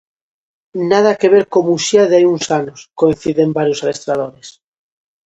"Nada que ver co Muxía de hai uns anos", coinciden varios adestradores.